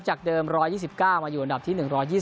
จากเดิม๑๒๙มาอยู่อันดับที่๑๒๒